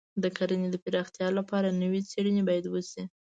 د کرنې د پراختیا لپاره نوې څېړنې باید وشي.